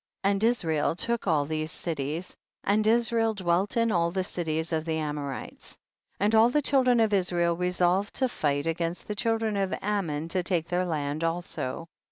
And Israel took all these cities, and Israel dwelt in all the cities of the Amorites. 19. And all the children of Israel resolved to fight against the children of Ammon, to take their land also.